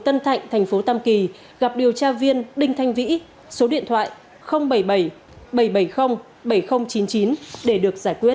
tân thạnh thành phố tam kỳ gặp điều tra viên đinh thanh vĩ số điện thoại bảy mươi bảy bảy trăm bảy mươi bảy nghìn chín mươi chín để được giải quyết